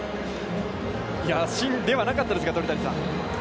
芯ではなかったですか、鳥谷さん。